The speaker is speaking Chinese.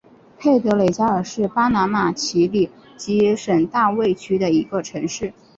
佩德雷加尔是巴拿马奇里基省大卫区的一个城市。